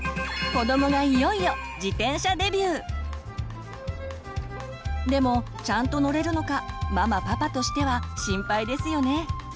子どもがいよいよでもちゃんと乗れるのかママパパとしては心配ですよね。